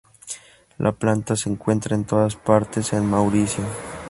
La planta se encuentra en todas partes en Mauricio.